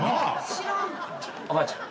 おばあちゃん